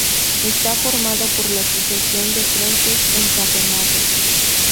Está formado por la sucesión de frentes encadenados.